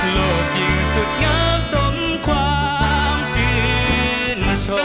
โลกอย่างสุดงามสมความชื่นโชค